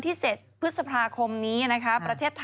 พี่ชอบแซงไหลทางอะเนาะ